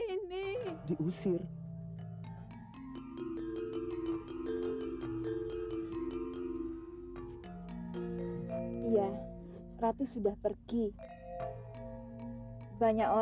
mengusir ratih dari rumahmu